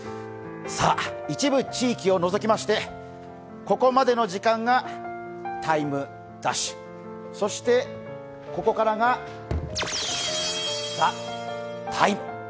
一部地域を除きまして、ここまでの時間が「ＴＩＭＥ’」そしてここからが「ＴＨＥＴＩＭＥ，」。